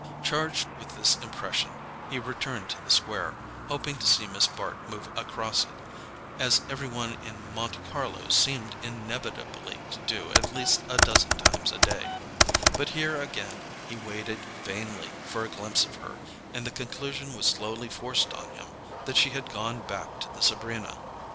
Charged with this impression he returned to the square, hoping to see Miss Bart move across it, as every one in Monte Carlo seemed inevitably to do at least a dozen times a day; but here again he waited vainly for a glimpse of her, and the conclusion was slowly forced on him that she had gone back to the Sabrina.